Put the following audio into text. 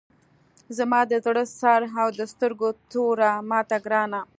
زما د زړه سر او د سترګو توره ماته ګرانه!